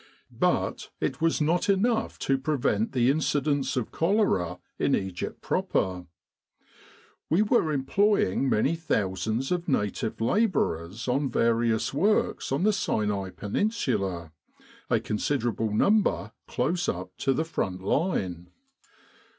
,But it was not enough to prevent the incidence of cholera in Egypt proper. We were Epidemic Diseases employing many thousands of native labourers on various works on the Sinai Peninsula, a considerable number close up to the front line.